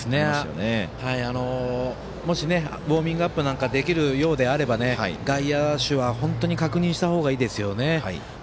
もしウォーミングアップなんかできるようであれば外野手は本当に確認した方がいいですよね。